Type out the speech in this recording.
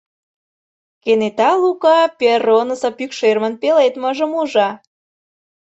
Кенета Лука перронысо пӱкшермын пеледмыжым ужо.